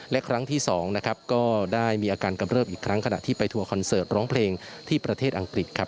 และครั้งที่๒นะครับก็ได้มีอาการกำเริบอีกครั้งขณะที่ไปทัวร์คอนเสิร์ตร้องเพลงที่ประเทศอังกฤษครับ